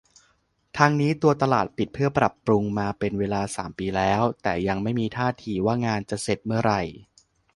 ทั้งนี้ตัวตลาดปิดเพื่อปรับปรุงมาเป็นเวลา สาม ปีแล้ว แต่ยังไม่มีท่าทีว่างานจะเสร็จเมื่อไหร่